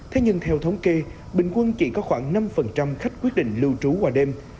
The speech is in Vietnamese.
thế nhưng theo thống kê bình quân chỉ có khoảng năm khách quyết định lưu trú qua đêm